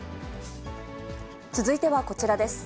続いてはこちらです。